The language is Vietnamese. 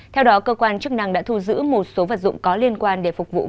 theo đó cơ quan chức năng đã thu giữ một số vật dụng có liên quan để phục vụ